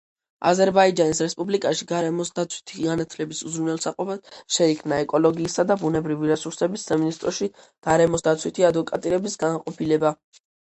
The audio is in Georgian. აზერბაიჯანის რესპუბლიკაში გარემოსდაცვითი განათლების უზრუნველსაყოფად შეიქმნა ეკოლოგიისა და ბუნებრივი რესურსების სამინისტროში გარემოსდაცვითი ადვოკატირების განყოფილება.